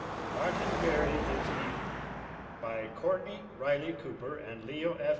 MARTIN GARRITY GETS EVEN By COURTNEY RYLEY COOPER and LEO. F.